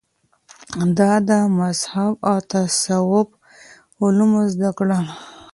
ده د مذهب او تصوف علوم زده کړل